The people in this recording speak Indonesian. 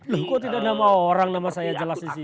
loh kok tidak nama orang nama saya jelasin sih